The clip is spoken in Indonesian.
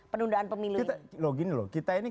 penundaan pemilu ini kita loh gini loh kita ini